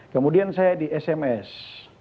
kemudian saya di sms